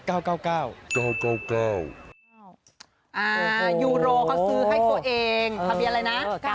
ยูโรเขาซื้อให้ตัวเองทะเบียนอะไรนะ